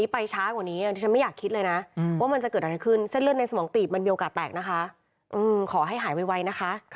ประมาณนั้น